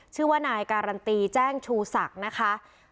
ชื่อว่านายการันตีแจ้งชูศักดิ์นะคะ